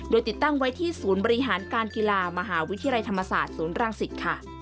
โดยติดตั้งไว้ที่ศูนย์บริหารการกีฬามหาวิทยาลัยธรรมศาสตร์ศูนย์รังสิตค่ะ